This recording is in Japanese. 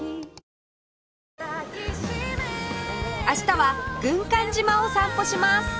明日は軍艦島を散歩します